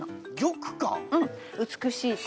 うん美しい玉。